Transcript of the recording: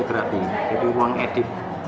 dia kan ruang sinematografi